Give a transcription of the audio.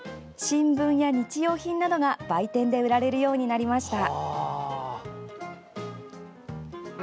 新聞や日用品などが売店で売られるようになりました。